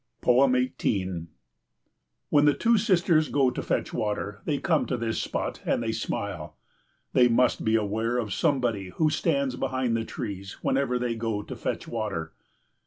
18 When the two sisters go to fetch water, they come to this spot and they smile. They must be aware of somebody who stands behind the trees whenever they go to fetch water.